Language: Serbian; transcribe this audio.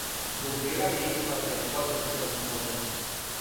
Дуплирање исплата је потенцијални проблем.